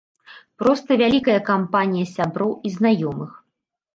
Проста вялікая кампанія сяброў і знаёмых.